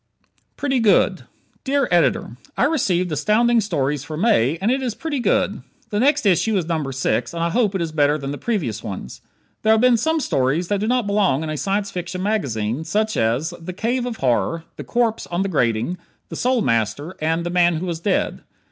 "Pretty Good" Dear Editor: I received Astounding Stories for May and it is pretty good. The next issue is number six, and I hope it is better than the previous ones. There have been some stories that do not belong in a Science Fiction magazine, such as: "The Cave of Horror," "The Corpse on the Grating," "The Soul Master," and "The Man who was Dead."